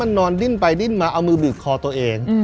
นอนดิ้นไปดิ้นมาเอามือบีบคอตัวเอง